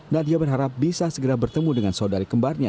nadia berharap bisa segera bertemu dengan saudari kembarnya